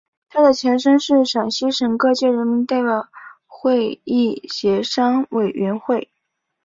它的前身是陕西省各界人民代表会议协商委员会。